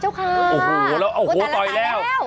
โอ้โหแล้วแต่ละตายกันแล้ว